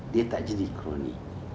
dia tidak menjadi kroni